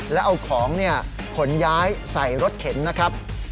แล้วเอาของขนย้ายใส่รถเข็นนะครับ